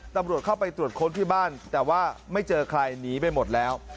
ตำรวจเข้าไปตรวจค้นที่บ้านแต่ว่าไม่เจอใครหนีไปหมดแล้ว